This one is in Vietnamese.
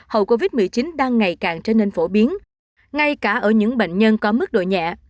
hậu covid một mươi chín đang ngày càng trở nên phổ biến ngay cả ở những bệnh nhân có mức độ nhẹ